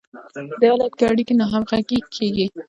په دې حالت کې اړیکې ناهمغږې کیږي.